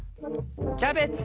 キャベツ！